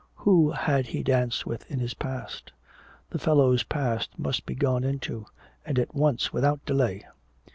Who had he danced with in his past? The fellow's past must be gone into, and at once, without delay!